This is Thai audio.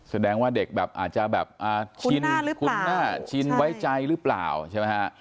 แสดงว่าเด็กแบบอาจจะแบบชินคุณหน้าชินไว้ใจหรือเปล่าใช่ไหมฮะ